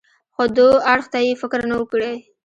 خو دو اړخ ته يې فکر نه و کړى.